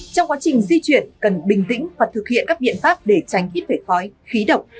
trong quá trình di chuyển cần bình tĩnh hoặc thực hiện các biện pháp để tránh ít vẻ khói khí động